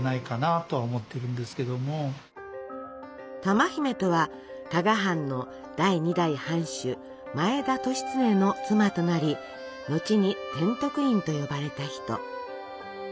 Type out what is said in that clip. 珠姫とは加賀藩の第２代藩主前田利常の妻となり後に天徳院と呼ばれた人。